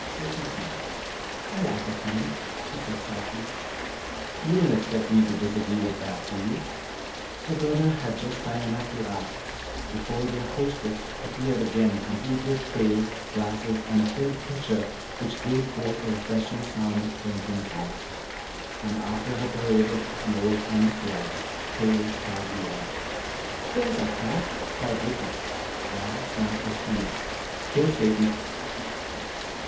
Ricky smiled. "I like our tenant," she said softly. "You don't expect me to disagree with that, do you?" her brother had just time enough to ask before their hostess appeared again complete with tray, glasses, and a filled pitcher which gave forth the refreshing sound of clinking ice. And after her paraded an old friend of theirs, tail proudly erect. "There's our cat!" cried Ricky. Val snapped his fingers. "Here, Satan."